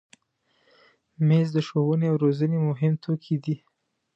مېز د ښوونې او روزنې مهم توکي دي.